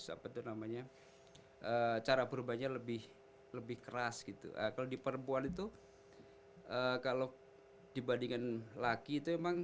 apa itu namanya cara berubahnya lebih lebih keras gitu kalau di perempuan itu kalau dibandingkan laki itu emang